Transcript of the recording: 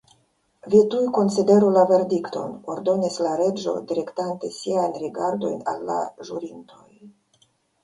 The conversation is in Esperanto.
"Vi tuj konsideru la verdikton," ordonis la Reĝo, direktante siajn rigardojn al la ĵurintoj.